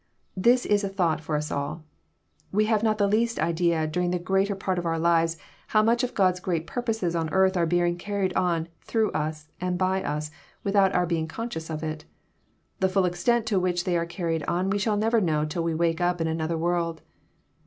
This is a thought for ns all. We have not the least idea, daring the greater part of our lives, how much of God's great purposes on earth are being carried on through us and by us, without our being conscious of it. The full extent to which they are carried on we shall never know till we wake up in another world.